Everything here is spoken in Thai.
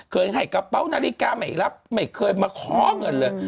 ให้กระเป๋านาฬิกาไม่รับไม่เคยมาขอเงินเลย